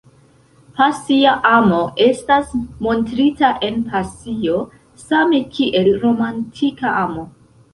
Pasia amo estas montrita en pasio same kiel romantika amo.